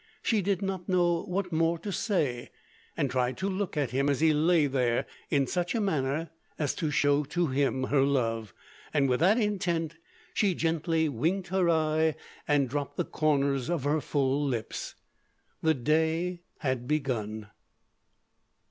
She did not know what more to say, and tried to look at him, as he lay there, in such a manner as to show to him her love, and with that intent she gently winked her eye, and dropped the corners of her full lips. The day had begun.